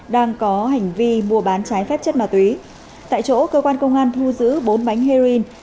đang có hành vi mua bán trái phép chất ma túy tại chỗ cơ quan công an thu giữ bốn bánh heroin